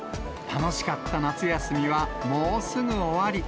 楽しかった夏休みはもうすぐ終わり。